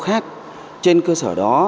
khác trên cơ sở đó